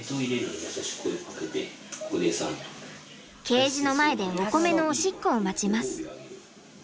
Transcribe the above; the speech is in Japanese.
ケージの前でおこめのおしっこを待ちます。